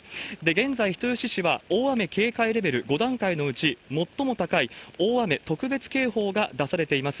現在、人吉市は大雨警戒レベル５段階のうち、最も高い大雨特別警報が出されています。